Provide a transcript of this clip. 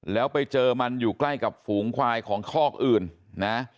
แล้วไปเจอมันอยู่ใกล้กับฝูงควายของคอกอื่นนะ